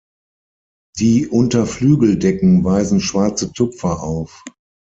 Die Unterflügeldecken weisen schwarze Tupfer auf.